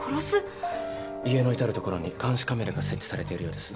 家の至る所に監視カメラが設置されているようです。